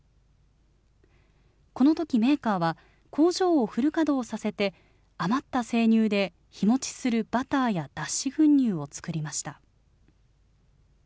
このとき、メーカーは工場をフル稼働させて、余った生乳で日持ちするバターや脱脂粉乳を作りました。